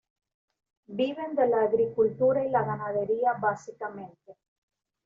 Viven de la agricultura y la ganadería básicamente.